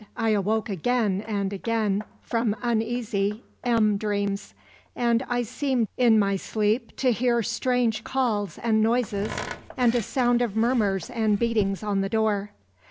I awoke again and again from uneasy dreams, and I seemed in my sleep to hear strange calls and noises and a sound of murmurs and beatings on the door.